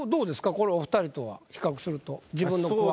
このお二人とは比較すると自分の句は。